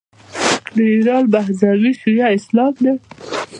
د ایران مذهب شیعه اسلام دی.